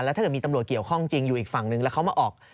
แล้วถ้าเกิดมีตำรวจเกี่ยวข้องจริงอยู่อีกฝั่งนึงแล้วเขามาออก